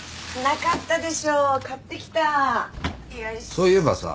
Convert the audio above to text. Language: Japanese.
そういえばさ。